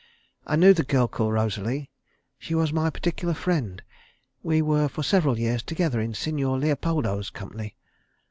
I knew the girl called Rosalie. She was my particular friend. We were for several years together in Signor Leopoldo's company.